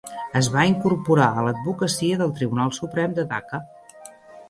Es va incorporar a l'advocacia del Tribunal Suprem de Dhaka.